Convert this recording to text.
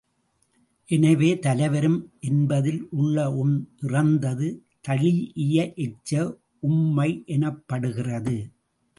எனவே, தலைவரும் என்பதில் உள்ள உம் இறந்தது தழீஇய எச்ச உம்மை எனப்படுகிறது.